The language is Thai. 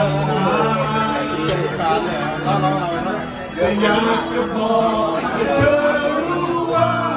มือจังหายหัวเสียงภาพสุดเมิด